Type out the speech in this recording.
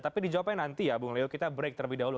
tapi dijawabnya nanti ya bung leo kita break terlebih dahulu